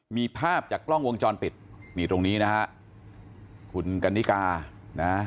มีภาพจากกล้องวงจรปิดนี่ตรงนี้นะฮะคุณกันนิกานะฮะ